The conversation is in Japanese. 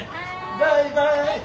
バイバイ。